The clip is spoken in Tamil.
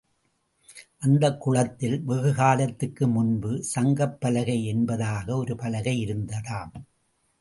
அந்தக் குளத்தில் வெகுகாலத்துக்கு முன்பு சங்கப்பலகை என்பதாக ஒரு பலகை இருந்ததாம்.